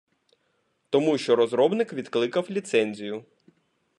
Тому, що розробник відкликав ліцензію.